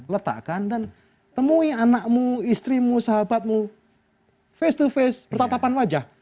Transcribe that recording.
letakkan dan temui anakmu istrimu sahabatmu face to face bertatapan wajah